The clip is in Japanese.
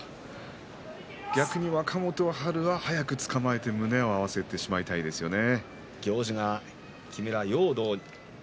逆に若元春は早くまわしをつかんで胸を合わせてしまいたいですよね。